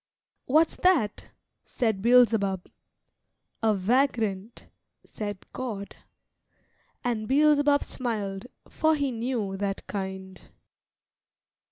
"What's that?" said Beelzebub. "A vagrant," said God. And Beelzebub smiled, for he knew that kind.